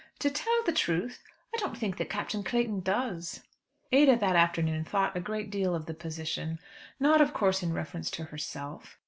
To tell the truth, I don't think that Captain Clayton does." Ada that afternoon thought a great deal of the position, not, of course, in reference to herself.